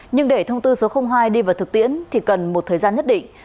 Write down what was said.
nhưng để thông tư số hai đi vào thực tiễn thì cần một thời gian nhất định